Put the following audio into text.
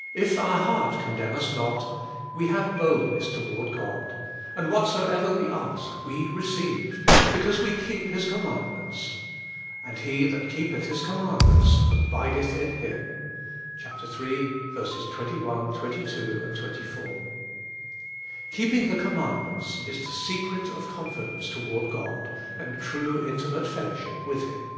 " If our heart condemn us not, we have boldness toward God; and whatsoever we ask we receive, Because We Keep His commandments. And He That Keepeth His commandments, abideth in Him" (iii. 21, 32, 24). Keeping the command ments is the secret of confidence toward God, and true intimate fellowship with Him.